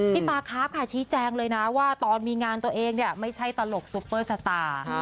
ปาครับชี้แจงเลยนะว่าตอนมีงานตัวเองเนี่ยไม่ใช่ตลกซุปเปอร์สตาร์